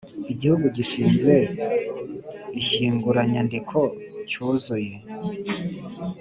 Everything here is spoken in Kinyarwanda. Igihugu gishinzwe Ishyinguranyandiko cyuzuye